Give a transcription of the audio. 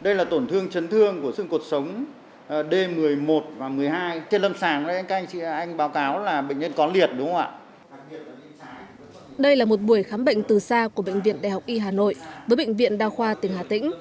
đây là một buổi khám bệnh từ xa của bệnh viện đại học y hà nội với bệnh viện đa khoa tỉnh hà tĩnh